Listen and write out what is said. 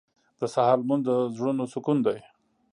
• د سهار لمونځ د زړونو سکون دی.